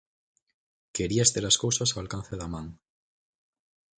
Querías ter as cousas ao alcance da man.